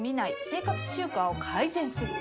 生活習慣を改善する。